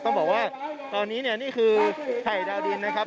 ต้องบอกว่าตอนนี้เนี่ยนี่คือไข่ดาวดินนะครับ